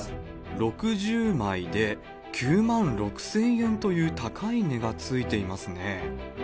６０枚で９万６０００円という高い値がついていますね。